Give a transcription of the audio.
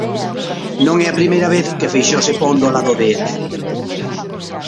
Non é a primeira vez que Feixóo se pon do lado de Ence.